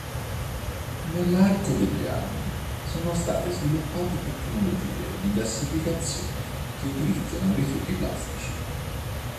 Nell'arco degli ultimi anni, sono state sviluppate tecnologie di gassificazione che utilizzano rifiuti plastici.